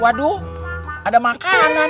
waduh ada makanan